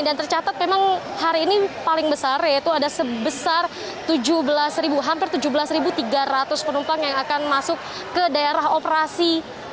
dan tercatat memang hari ini paling besar ya itu ada sebesar tujuh belas hampir tujuh belas tiga ratus penumpang yang akan masuk ke daerah operasi satu